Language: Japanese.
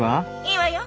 いいわよ。